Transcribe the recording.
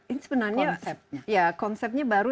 ini sebenarnya konsepnya baru